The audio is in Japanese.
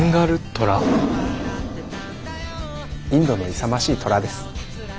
インドの勇ましいトラです。